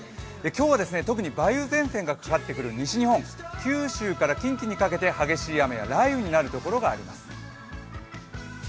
今日は特に梅雨前線がかかってくる西日本、九州から近畿にかけて激しい雨や雷雨になる所があります。